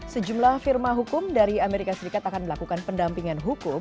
sejumlah firma hukum dari amerika serikat akan melakukan pendampingan hukum